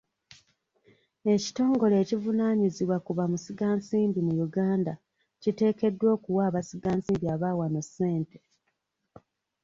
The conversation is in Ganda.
Ekitongole ekivunaanyizibwa ku bamusigansimbi mu Uganda kiteekeddwa okuwa abasiga nsimbi aba wano ssente.